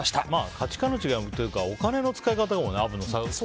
価値観の違いというかお金の使い方だね、アブのは。